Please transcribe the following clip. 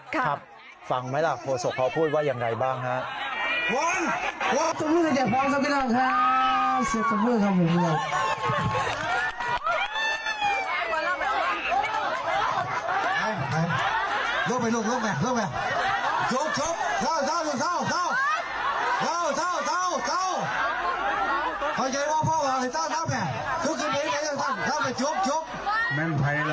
ครับฟังไหมล่ะโคศกเขาพูดว่าอย่างไรบ้างครับ